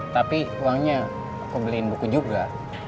tapi uangnya aku beliin buku juga